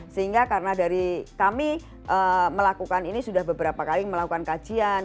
sehingga karena dari kami melakukan ini sudah beberapa kali melakukan kajian